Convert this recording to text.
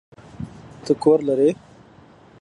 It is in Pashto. ته کور لری؟